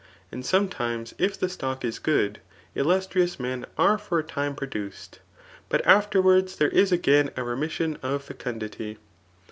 And sometimes if the stock is good, tUustrious men are for a time produced ; but afterwards, there is aga^ a remission of fecundity.